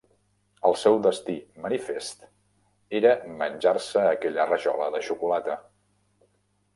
El seu destí manifest era menjar-se aquella rajola de xocolata.